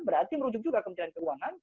berarti merujuk juga kementerian keuangan